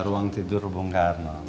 ruang tidur bung karno